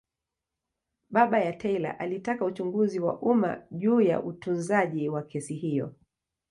Baba ya Taylor alitaka uchunguzi wa umma juu ya utunzaji wa kesi hiyo.